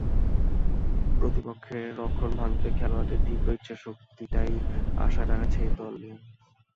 প্রতিপক্ষের রক্ষণ ভাঙতে খেলোয়াড়দের তীব্র ইচ্ছাশক্তিটাই আশা জাগাচ্ছে এই দল নিয়ে।